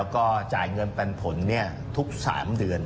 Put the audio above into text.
ก็จ่ายเงินปันผลทุก๓เดือน